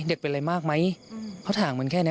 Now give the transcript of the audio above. เด็กเป็นอะไรมากไหมเขาถามเหมือนแค่นี้